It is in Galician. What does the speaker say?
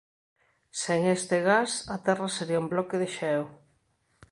Sen este gas a Terra sería un bloque de xeo.